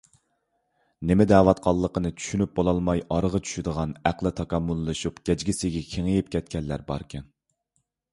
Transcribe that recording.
نېمە دەۋاتقانلىقىنى چۈشىنىپ بولالماي ئارىغا چۈشىدىغان ئەقلى تاكامۇللىشىپ گەجگىسىگە كېڭىيىپ كەتكەنلەر باركەن.